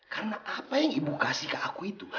karena apa yang ibu kasih ke aku itu